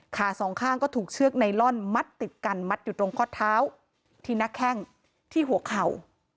สองข้างก็ถูกเชือกไนลอนมัดติดกันมัดอยู่ตรงข้อเท้าที่หน้าแข้งที่หัวเข่า